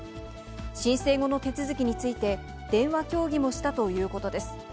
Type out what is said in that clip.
申請後の手続きについて、電話協議もしたということです。